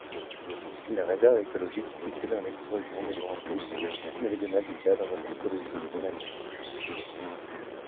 La réserve écologique est située dans l'écorégion des Laurentides méridionales du cadre écologique canadien.